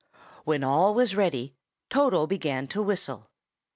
When all was ready, Toto began to whistle.